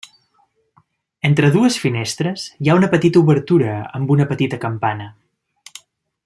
Entre dues finestres hi ha una petita obertura amb una petita campana.